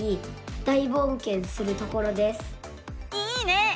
いいね！